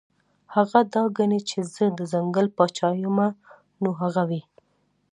هغه دا ګڼي چې زۀ د ځنګل باچا يمه نو هغه وي -